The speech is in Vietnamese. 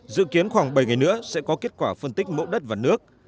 dự kiến khoảng bảy ngày nữa sẽ có kết quả phân tích mẫu đất và nước